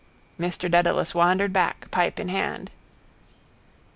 Mr Dedalus wandered back, pipe in hand.